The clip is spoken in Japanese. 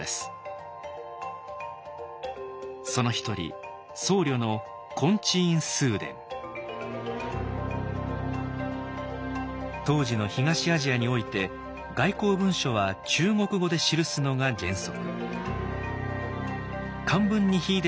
その一人僧侶の当時の東アジアにおいて外交文書は中国語で記すのが原則。